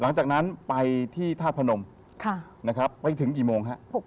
หลังจากนั้นไปที่ทาสพนมไปถึงกี่โมงครับ